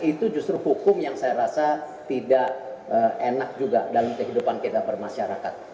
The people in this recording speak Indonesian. itu justru hukum yang saya rasa tidak enak juga dalam kehidupan kita bermasyarakat